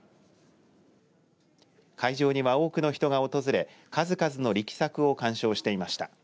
会場には多くの人が訪れ数々の力作を鑑賞していました。